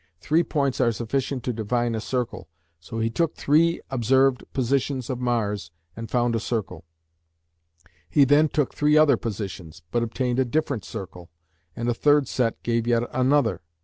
Three points are sufficient to define a circle, so he took three observed positions of Mars and found a circle; he then took three other positions, but obtained a different circle, and a third set gave yet another.